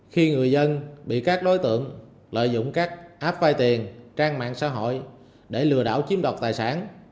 khi người dân bị các đối tượng lợi dụng các app vay tiền trang mạng xã hội để lừa đảo chiếm đoạt tài sản